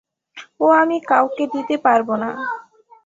ও আমি আর কাউকে দিতে পারব না।